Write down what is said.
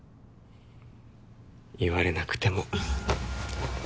言われなくても。